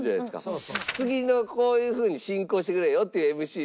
次のこういう風に進行してくれよっていうＭＣに。